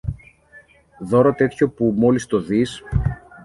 δώρο τέτοιο που, μόλις το δεις